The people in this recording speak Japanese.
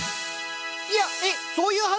いやえっそういう話？